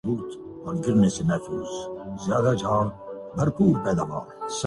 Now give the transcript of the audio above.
عدالتی martial law کی باتیں بھی اسی سوچ کا مظہر ہیں۔